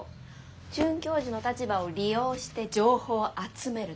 准教授の立場を利用して情報集めるの。